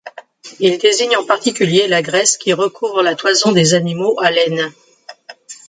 Il désigne en particulier la graisse qui recouvre la toison des animaux à laine.